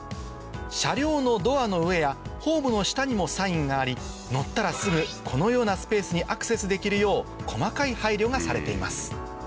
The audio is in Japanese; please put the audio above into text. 車両のドアの上やホームの下にもサインがあり乗ったらすぐこのようなスペースにアクセスできるよう細かい配慮がされています